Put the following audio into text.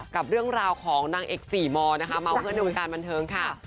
กับเรื่องราวของนางเอกสี่มนะคะเมาเพื่อนในวงการบันเทิงค่ะ